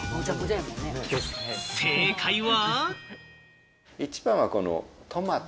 正解は。